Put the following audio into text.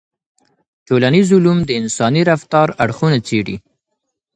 ټولنيز علوم د انساني رفتار اړخونه څېړي.